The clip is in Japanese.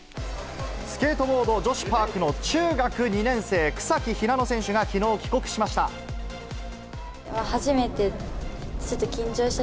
スケートボード女子パークの中学２年生、草木ひなの選手がきのう、帰国しました。